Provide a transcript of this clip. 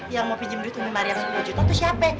yang mau pinjem duit umi maryam sepuluh juta tuh siapa